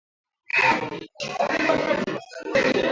Maeneo mengi hivi karibuni yamekumbwa na uhaba wa petroli na